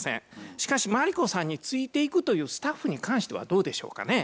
しかしマリコさんについていくというスタッフに関してはどうでしょうかね。